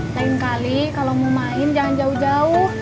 lain kali kalau mau main jangan jauh jauh